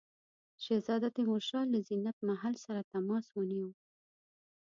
شهزاده تیمورشاه له زینت محل سره تماس ونیو.